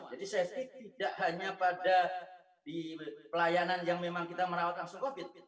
jadi safety tidak hanya pada di pelayanan yang memang kita merawat langsung covid